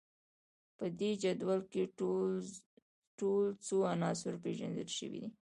په دې جدول کې ټول څو عناصر پیژندل شوي دي